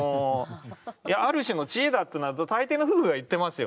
いやある種の知恵だっていうのは大抵の夫婦が言ってますよ。